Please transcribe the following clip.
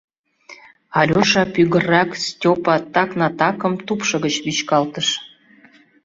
Алёша пӱгыррак Степа Так-на-Такым тупшо гыч вӱчкалтыш.